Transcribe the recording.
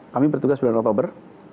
kami bertugas sembilan oktober